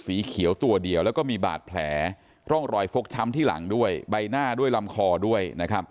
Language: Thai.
สีเขียวตัวเดียวแล้วก็มีบาดแผลร่องรอยฟกช้ำที่หลังด้วยใบหน้าด้วยลำคอด้วยนะครับ